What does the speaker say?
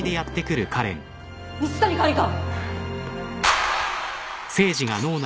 蜜谷管理官！？